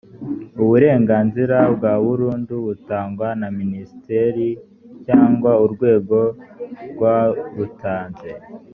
uburenganzira bwa burundu butangwa na minisitiri cyangwa urwego rwarutanze